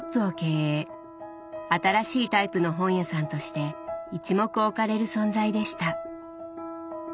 新しいタイプの本屋さんとして一目置かれる存在でした。